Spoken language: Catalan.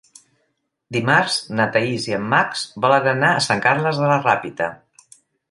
Dimarts na Thaís i en Max volen anar a Sant Carles de la Ràpita.